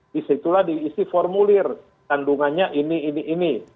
disitulah diisi formulir kandungannya ini ini ini